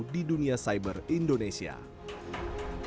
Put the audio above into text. tapi perusahaan yang berbasis digital